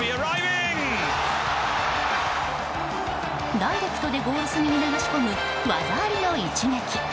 ダイレクトでゴール隅に流し込む、技ありの一撃！